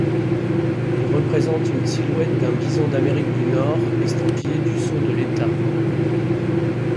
Il représente une silhouette d'un bison d'Amérique du Nord estampillé du sceau de l'État.